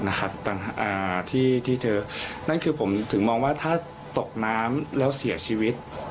ต่างที่เธอนั่นคือผมถึงมองว่าถ้าตกน้ำแล้วเสียชีวิต